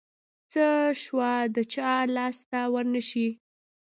څه شوه د چا لاس ته ورنشي.